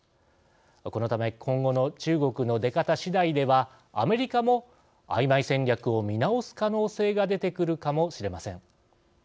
このため今後の中国の出方しだいではアメリカも、あいまい戦略を見直す可能性も出てくるかもしれません。